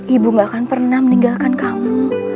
ibu gak akan pernah meninggalkan kamu